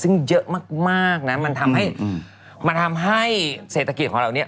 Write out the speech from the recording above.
ซึ่งเยอะมากนะมันทำให้เศรษฐกิจของเราเนี่ย